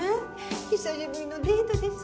久しぶりのデートです。